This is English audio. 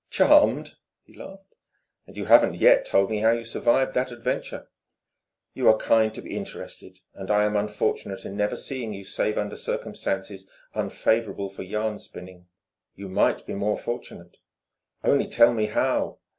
"Charmed!" he laughed. "And you haven't yet told me how you survived that adventure." "You are kind to be interested, and I am unfortunate in never seeing you save under circumstances unfavourable for yarn spinning." "You might be more fortunate." "Only tell me how!"